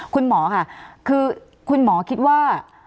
คุณหมอค่ะคือคุณหมอคิดว่า